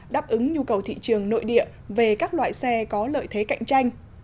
đáp ứng nhu cầu thị trường nội địa về các loại xe có lợi thế cạnh tranh